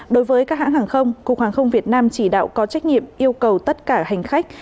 đối với các hãng hàng không cục hàng không việt nam chỉ đạo có trách nhiệm yêu cầu tất cả hành khách